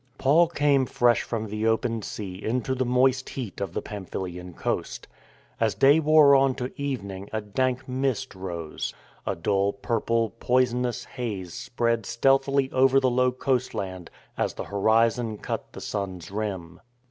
Paul came fresh from the open sea into the moist heat of the Pamphylian coast. As day wore on to evening a dank mist rose. A dull, purple, poisonous haze spread stealthily over the low coastland as the 130 THE FORWARD TREAD horizon cut the sun's rim.